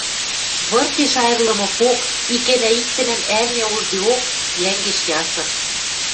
Выртеш айырлымыкок, икӓна-иктӹнӓм ӓрня уждеок, йӓнгеш ясы.